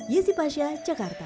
yesy pasha jakarta